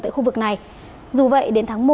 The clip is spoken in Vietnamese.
tại khu vực này dù vậy đến tháng một